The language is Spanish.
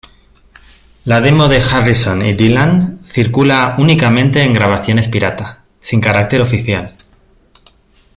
La demo de Harrison y Dylan circula únicamente en grabaciones pirata, sin carácter oficial.